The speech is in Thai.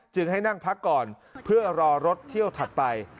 ให้นั่งพักก่อนเพื่อรอรถเที่ยวถัดไป